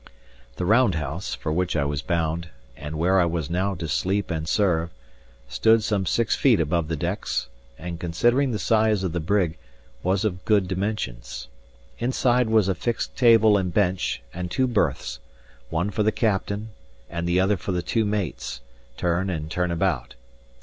The round house, for which I was bound, and where I was now to sleep and serve, stood some six feet above the decks, and considering the size of the brig, was of good dimensions. Inside were a fixed table and bench, and two berths, one for the captain and the other for the two mates, turn and turn about.